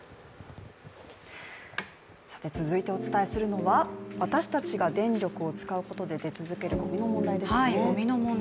続いてお伝えするのは私たちが電力を使うことで出続けるごみの問題です。